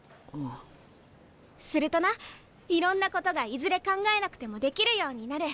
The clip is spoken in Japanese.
するとな「いろんなことがいずれ考えなくてもできるようになる。